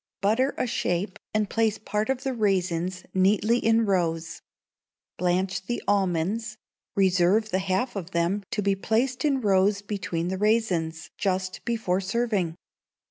Butter a shape, and place part of the raisins neatly in rows. Blanch the almonds; reserve the half of them to be placed in rows between the raisins just before serving.